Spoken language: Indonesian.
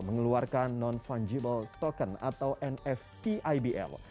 mengeluarkan non fungible token atau nft ibl